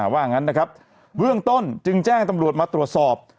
ว่างั้นนะครับเบื้องต้นจึงแจ้งตำรวจมาตรวจสอบ